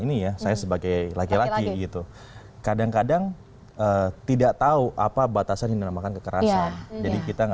ini ya saya sebagai laki laki gitu kadang kadang tidak tahu apa batasan yang dinamakan kekerasan jadi kita